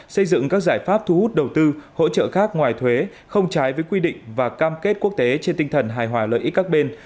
xây dựng các giải pháp thu hút đầu tư hỗ trợ khác ngoài thuế không trái với quy định và cam kết quốc tế trên tinh thần hài hòa lợi ích các bên